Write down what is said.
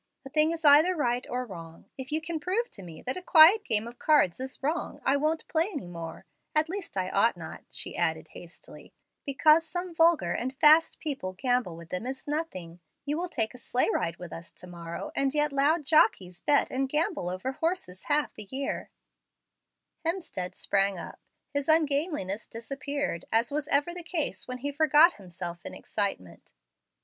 A thing is either right or wrong. If you can prove to me that a quiet game of cards is wrong, I won't play any more at least I ought not," she added hastily. "Because some vulgar and fast people gamble with them is nothing. You will take a sleigh ride with us to morrow, and yet loud jockeys bet and gamble over horses half the year." Hemstead sprang up. His ungainliness disappeared, as was ever the case when he forgot himself in excitement.